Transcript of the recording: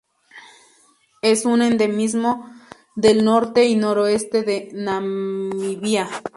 Es un endemismo del norte y noroeste de Namibia.